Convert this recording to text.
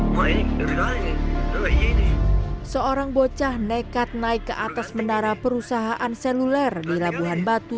hai main berani seorang bocah nekat naik ke atas menara perusahaan seluler di labuhan batu